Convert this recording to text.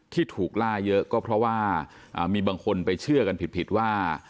ที่ถูกล่าเยอะก็เพราะว่ามีบางคนไปเชื่อกันผิดว่า